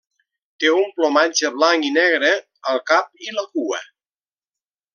Té un plomatge blanc i negre al cap i la cua.